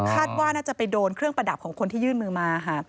คาดว่าน่าจะไปโดนเครื่องประดับของคนที่ยื่นมือมาค่ะ